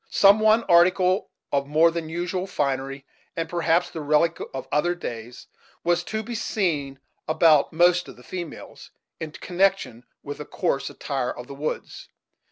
Some one article of more than usual finery, and perhaps the relic of other days, was to be seen about most of the females, in connection with the coarse attire of the woods.